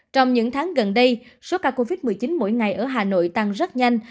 trong những tháng gần đây số ca covid một mươi chín mỗi ngày ở hà nội tăng rất nhanh